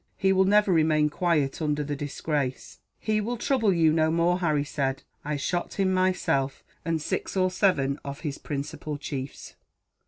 He will never remain quiet, under the disgrace." "He will trouble you no more," Harry said. "I shot him myself, and six or seven of his principal chiefs."